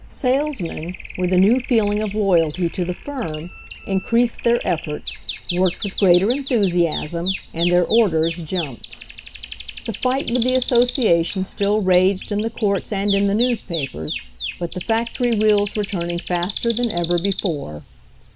Salesmen, with a new feel ing of loyalty to the firm, increased their efforts, worked with greater enthusiasm and their orders jumped. The fight with the association still raged in the courts and in the newspapers, but the factory /^ wheels were turning faster than ever before.